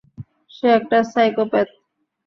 সে একটা সাইকোপ্যাথ।